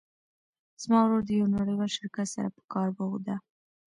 زما ورور د یو نړیوال شرکت سره په کار بوخت ده